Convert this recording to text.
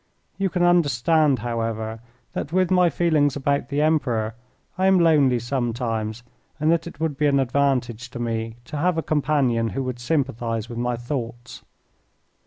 You can understand, however, that with my feelings about the Emperor I am lonely sometimes, and that it would be an advantage to me to have a companion who would sympathize with my thoughts.